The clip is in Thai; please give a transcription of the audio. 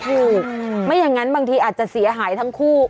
ไม่อย่างนั้นบางทีอาจจะเสียหายทั้งคู่